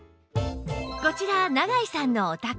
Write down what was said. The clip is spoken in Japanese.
こちら永井さんのお宅